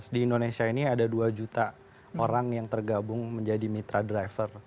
di indonesia ini ada dua juta orang yang tergabung menjadi mitra driver